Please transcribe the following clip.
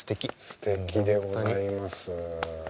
すてきでございます。